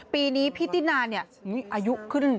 ปีนี้พี่ตินาเนี่ยอายุขึ้น